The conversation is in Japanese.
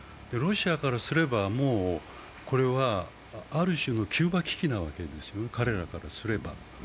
ロシアからすれば、もうこれはある種のキューバ危機なわけですよね、彼らからすれば。